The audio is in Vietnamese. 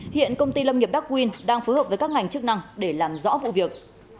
hiện công ty lâm nghiệp darkwind đang phối hợp với các ngành chức năng để làm rõ vụ việc